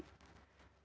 ngelihat diri kita